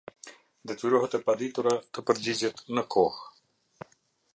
Detyrohet e paditura, të përgjigjet në kohë.